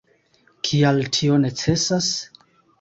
Kial tio necesas?